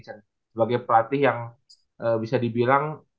sebagai pelatih yang bisa dibilang